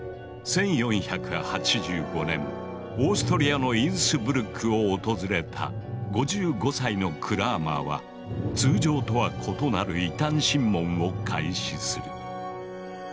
１４８５年オーストリアのインスブルックを訪れた５５歳のクラーマーは通常とは異なる異端審問を開始する。